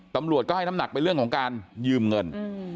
ตำรวจก็ให้น้ำหนักไปเรื่องของการยืมเงิน